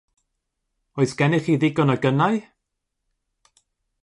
Oes gennych chi ddigon o gynnau?